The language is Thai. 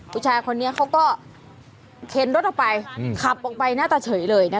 ผู้ชายคนนี้เขาก็เข็นรถออกไปขับออกไปหน้าตาเฉยเลยนะคะ